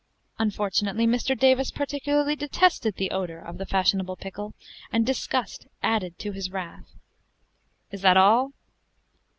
Unfortunately, Mr. Davis particularly detested the odor of the fashionable pickle, and disgust added to his wrath. "Is that all?"